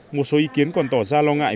một số ý kiến còn tỏ ra lo ngại